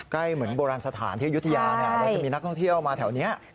ใกล้เหมือนโบราณสถานที่อยุธยานะครับแล้วจะมีนักท่องเที่ยวมาแถวเนี้ยนะครับ